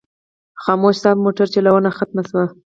خاموش صاحب موټر چلونه ختمه شوه.